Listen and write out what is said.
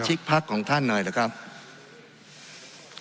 ทั้งสองกรณีผลเอกประยุทธ์